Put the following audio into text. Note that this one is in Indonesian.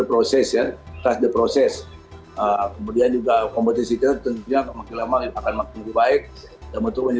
prosesnya proses kemudian juga kompetisi kita tentunya makin lama akan makin baik dan betul